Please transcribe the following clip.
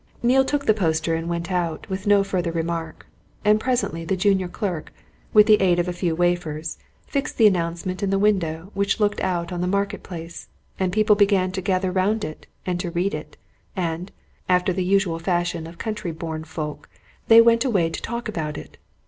Neale took the poster and went out, with no further remark. And presently the junior clerk, with the aid of a few wafers, fixed the announcement in the window which looked out on the Market Place, and people began to gather round and to read it, and, after the usual fashion of country born folk, then went away to talk about it.